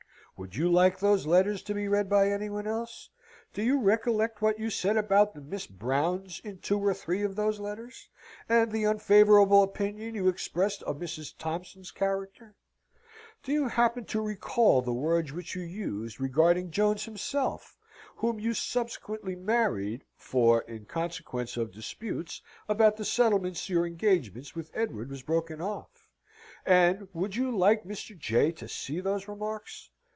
Would you like those letters to be read by any one else? Do you recollect what you said about the Miss Browns in two or three of those letters, and the unfavourable opinion you expressed of Mrs. Thompson's character? Do you happen to recall the words which you used regarding Jones himself, whom you subsequently married (for in consequence of disputes about the settlements your engagement with Edward was broken off)? and would you like Mr. J. to see those remarks?